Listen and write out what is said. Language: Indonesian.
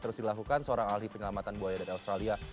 terus dilakukan seorang ahli penyelamatan buaya dari australia